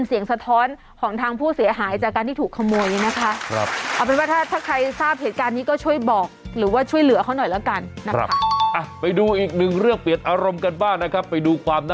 เนี่ยส่งตาหวานให้อีกนะพวกคุณ